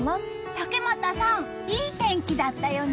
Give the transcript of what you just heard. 竹俣さん、いい天気だったよね。